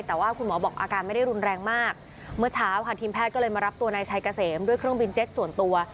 แต่ว่าคุณหมอบอกอาการไม่ได้รุนแรงมากเมื่อเช้าค่ะทีมแพทย์ก็เลยมารับตัวนายชัยเกษมด้วยเครื่องบินเจ็ตส่วนตัว